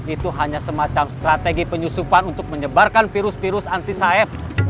itu hanya semacam strategi penyusupan untuk menyebarkan virus virus anti safe